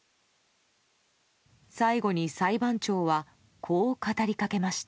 最後に裁判長はこう語りかけました。